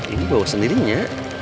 ini bawa sendirinya